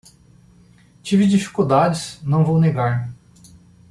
Tive dificuldades, não vou negar